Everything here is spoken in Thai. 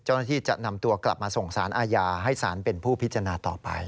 เจ้าหน้าที่จะนำตัวกลับมาส่งสารอาญาให้ศาลเป็นผู้พิจารณาต่อไป